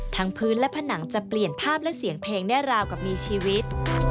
พื้นและผนังจะเปลี่ยนภาพและเสียงเพลงแน่ราวกับมีชีวิต